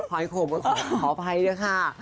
หอยขมขออภัยนะคะ